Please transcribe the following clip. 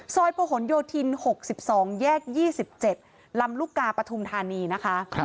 ซอยโพฮนโยธิน๖๒แยก๒๗ลำลูกกาปทุมธานีนะคะ